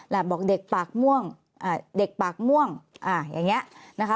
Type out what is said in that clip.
บอกเด็กปากม่วงเด็กปากม่วงอย่างนี้นะคะ